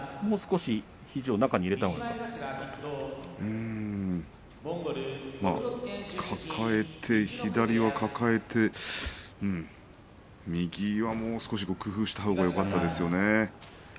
もう少し肘を中に入れた抱えて、左を抱えて右はもう少し工夫したほうがよかったですよね。